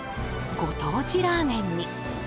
ご当地ラーメンに！